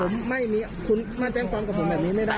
ผมไม่มีคุณมาแจ้งความกับผมแบบนี้ไม่ได้